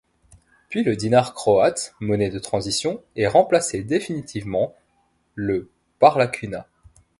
Puis le dinar croate, monnaie de transition, est remplacé définitivement le par la kuna.